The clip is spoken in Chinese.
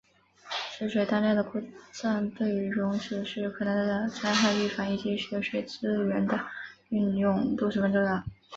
雪水当量的估算对于融雪时可能的灾害预防以及雪水资源的运用都十分重要。